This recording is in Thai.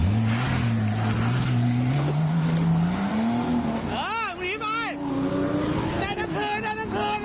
ในตั้งคืนในตั้งคืน